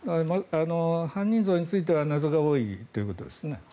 犯人像については謎が多いということです。